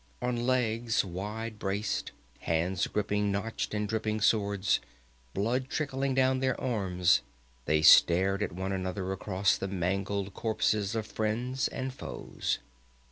On legs wide braced, hands gripping notched and dripping swords, blood trickling down their arms, they stared at one another across the mangled corpses of friends and foes.